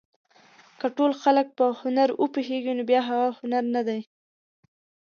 که ټول خلک په هنر وپوهېږي نو بیا هغه هنر نه دی.